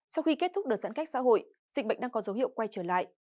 sau khi kết thúc đợt giãn cách xã hội dịch bệnh đang có dấu hiệu quay trở lại